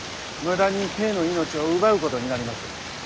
無駄に兵の命を奪うことになります。